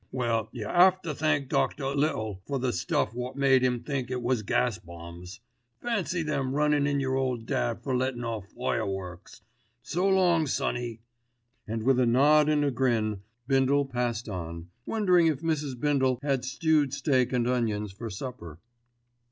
Well you 'ave to thank Dr. Little for the stuff wot made 'em think it was gas bombs! Fancy them runnin' in your old dad for lettin' off fireworks. So long, sonny," and with a nod and a grin Bindle passed on, wondering if Mrs. Bindle had stewed steak and onions for supper.